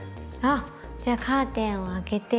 あっじゃあカーテンを開けて。